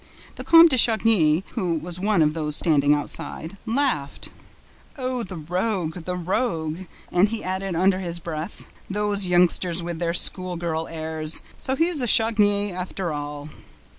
The Comte de Chagny, who was one of those standing outside, laughed: "Oh, the rogue, the rogue!" And he added, under his breath: "Those youngsters with their school girl airs! So he's a Chagny after all!"